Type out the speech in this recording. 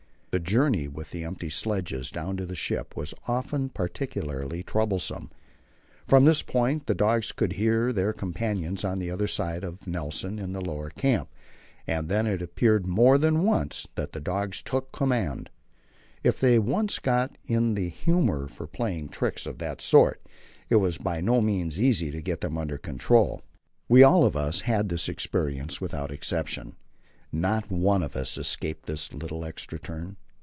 The journey with empty sledges down to the ship was often particularly troublesome. From this point the dogs could hear their companions on the other side of Nelson in the lower camp, and then it happened more than once that the dogs took command. If they once got in the humour for playing tricks of that sort, it was by no means easy to get them under control. We all of us had this experience without exception. Not one of us escaped this little extra turn.